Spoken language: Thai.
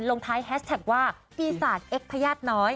ลงท้ายแฮชแท็กว่าปีศาจเอ็กพญาติน้อย